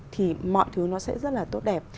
thì mọi thứ nó sẽ rất là tốt đẹp